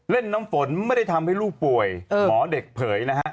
น้ำฝนไม่ได้ทำให้ลูกป่วยหมอเด็กเผยนะฮะ